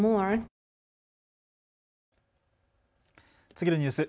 次のニュース